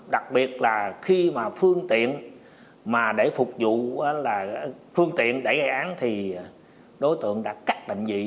đặc biệt là khi mà phương tiện để phục vụ phương tiện để gây án thì đối tượng đã cắt định vị